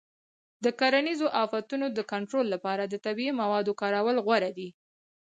د کرنیزو آفتونو د کنټرول لپاره د طبیعي موادو کارول غوره دي.